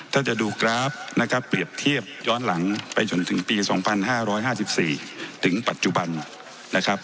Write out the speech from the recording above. ถ้าจะดูกราฟนะครับเปรียบเทียบย้อนหลังไปจนถึงปี๒๕๕๔ถึงปัจจุบันนะครับ